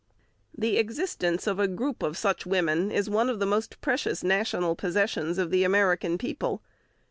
The existence of a group of such women is one of the most precious national possessions of the American people.